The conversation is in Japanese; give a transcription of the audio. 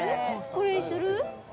これにする？